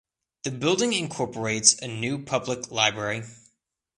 The building incorporates a new public library.